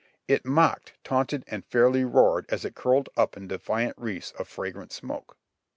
It mocked, taunted and fairly roared as it curled up in defiant wreaths of fragrant smoke.